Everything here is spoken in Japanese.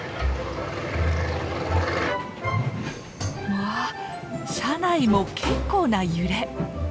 わあ車内も結構な揺れ。